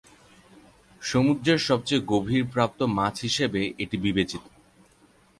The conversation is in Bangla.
সমুদ্রের সবচেয়ে গভীর প্রাপ্ত মাছ হিসেবে এটি বিবেচিত।